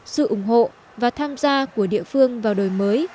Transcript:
sự ủng hộ và tham gia của địa phương vào đời mới